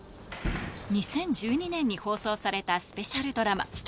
２０１２年に放送されたスペシャルドラマ。